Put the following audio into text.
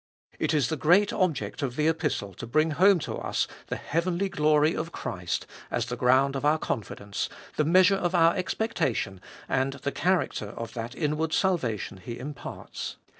It is the great object of the Epistle to bring home to us the heavenly glory of Christ as the ground of our confidence, the measure of our expectation, and the character of that inward salvation He imparts.